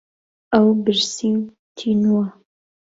ئەو برسی و تینووە.